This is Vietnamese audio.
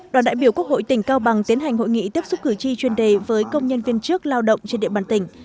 đoàn đại biểu quốc hội tỉnh cao bằng tiến hành hội nghị tiếp xúc cử tri chuyên đề với công nhân viên trước lao động trên địa bàn tỉnh